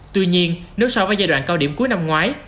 tuy nhiên nếu so với giai đoạn cao điểm cuối năm ngoái